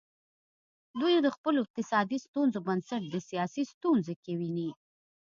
دوی د خپلو اقتصادي ستونزو بنسټ د سیاسي ستونزو کې ویني.